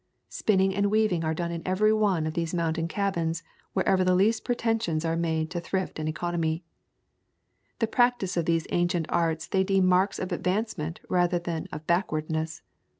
Spinning and weaving are done in every one of these mountain cabins wher ever the least pretensions are made to thrift and economy. The practice of these ancient arts they deem marks of advancement rather than of backwardness.